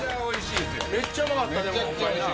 めっちゃうまかった！